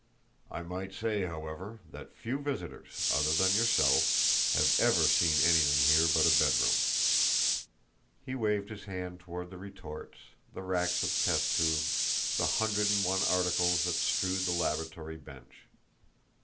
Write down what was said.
I might say, however, that few visitors, other than yourself, have ever seen anything here but a bedroom." He waved his hand toward the retorts, the racks of test tubes, the hundred and one articles that strewed the laboratory bench.